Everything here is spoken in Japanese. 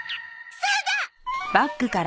そうだ！